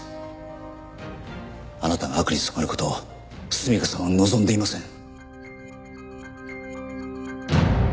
あなたが悪に染まる事を純夏さんは望んでいません。